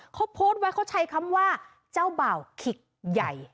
เขาโพสต์ไว้เขาใช้คำว่าเจ้าบ่าวขิกใหญ่